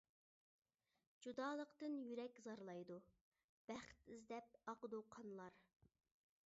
جۇدالىقتىن يۈرەك زارلايدۇ، بەخت ئىزدەپ ئاقىدۇ قانلار.